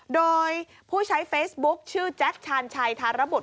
โดยผู้ใช้เฟซบุ๊คชื่อแจ็คชาญชัยธารบุตร